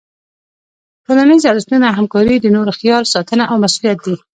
ټولنیز ارزښتونه همکاري، د نورو خیال ساتنه او مسؤلیت دي.